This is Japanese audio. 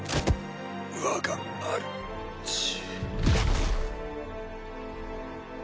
わがあるじ。